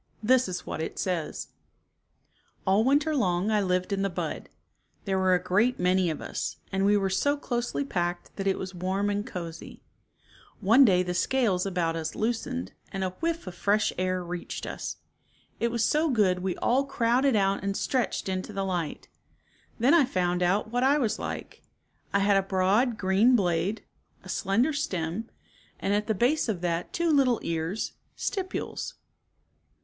This is what it says : "All winter long I lived in the bud. There were a great many of us, and we were so closely packed that it was warm and cozy. One day the 5. Vertical Sec scalcs about US looscucd, and a whiff of TiON OF Apple Blossom. frcsh air Tcachcd us. " It was so good we all crowded out and stretched into the light. Then I found out what I was like. I had a broad green blade, a slender stem, and at the base of that two little ears, stipules.